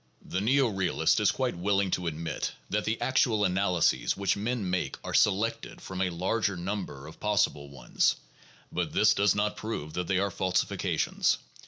The neo realist is quite willing to admit that the actual analy ses which men make are selected from a larger number of possible ones, but this does not prove that they are falsifications.